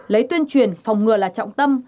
lấy tuyên truyền phòng ngừa là trọng tâm